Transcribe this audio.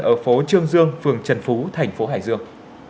ở phố trương dương phường trần phú thành phố hải dương